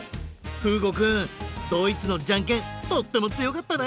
ふうごくんドイツのじゃんけんとってもつよかったね！